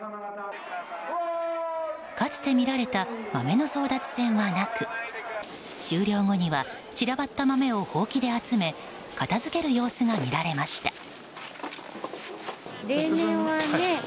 かつて見られた豆の争奪戦はなく終了後には散らばった豆をほうきで集め片づける様子が見られました。